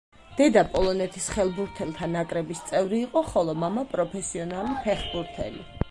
დედა პოლონეთის ხელბურთელთა ნაკრების წევრი იყო, ხოლო მამა პროფესიონალი ფეხბურთელი.